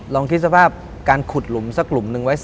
ลองคิดสภาพการขุดหลุมสักหลุมหนึ่งไว้